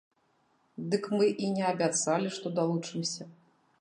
Дык мы і не абяцалі, што далучымся.